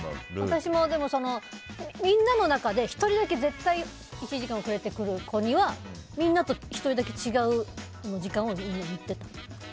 私もみんなの中で１人だけ絶対１時間遅れてくる子にはみんなと１人だけ違う時間を言ってた。